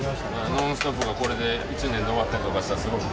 「ノンストップ！」がこれで１年で終わったりしたら。